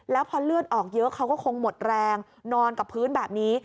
แล้วพอเลือดออกเยอะเขาก็คงหมดแรงนอนกับพื้นแบบนี้